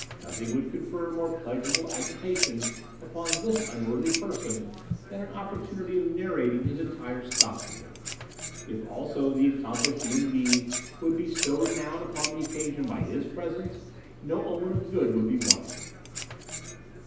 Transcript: "Nothing would confer more pleasurable agitation upon this unworthy person than an opportunity of narrating his entire stock to them. If also the accomplished Lin Yi would bestow renown upon the occasion by his presence, no omen of good would be wanting."